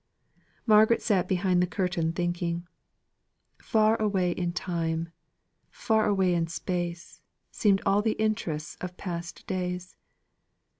Margaret sat behind the curtain thinking. Far away in time, far away in space, seemed all the interests of past days.